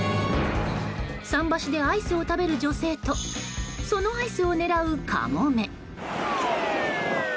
桟橋でアイスを食べる女性とそのアイスを狙うカモメ。